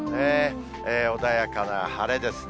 穏やかな晴れですね。